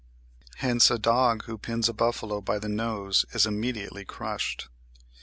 Hence a dog who pins a buffalo by the nose is immediately crushed.